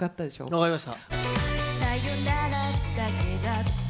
分かりました。